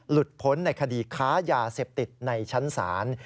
พ้นในคดีค้ายาเสพติดในชั้นศาล